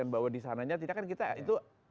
dan bawa di sananya tidak akan kita itu